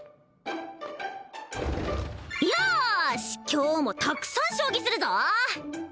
今日もたくさん将棋するぞ